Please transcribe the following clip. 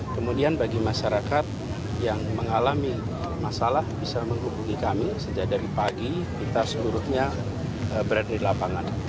kemudian bagi masyarakat yang mengalami masalah bisa menghubungi kami sejak dari pagi kita seluruhnya berada di lapangan